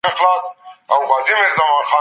د جبري کار ترسره کول د غلامۍ نښه ده.